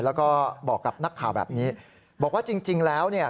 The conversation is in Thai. แล้วก็บอกกับนักข่าวแบบนี้บอกว่าจริงแล้วเนี่ย